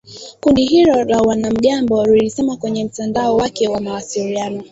Kundi hilo la wanamgambo lilisema kwenye mtandao wake wa mawasiliano